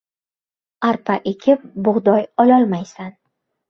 • Arpa ekib bug‘doy ololmaysan.